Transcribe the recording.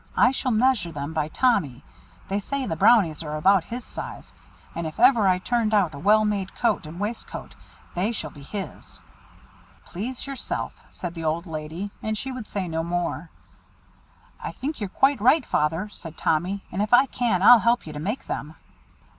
I shall measure them by Tommy they say the Brownies are about his size and if ever I turned out a well made coat and waistcoat, they shall be his." "Please yourself," said the old lady, and she would say no more. "I think you're quite right, Father," said Tommy, "and if I can, I'll help you to make them."